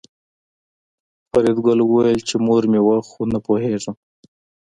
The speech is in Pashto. فریدګل وویل چې مور مې وه خو نه پوهېږم